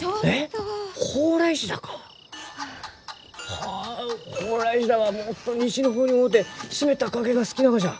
はあホウライシダはもっと西の方に多うて湿った崖が好きながじゃ！